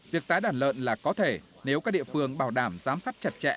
việc tái đàn lợn là có thể nếu các địa phương bảo đảm giám sát chặt chẽ